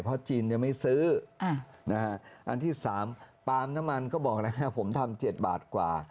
เพราะจีนยังไม่ซื้ออันที่๓ปาล์มน้ำมันก็บอกแล้วผมทำ๗บาทกว่า